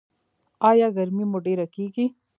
ایا ګرمي مو ډیره کیږي؟